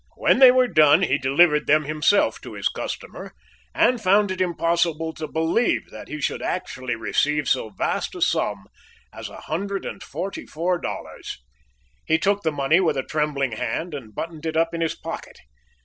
When they were done, he delivered them himself to his customer, and found it impossible to believe that he should actually receive so vast a sum as a hundred and forty four dollars. He took the money with a trembling hand, and buttoned it up in his pocket.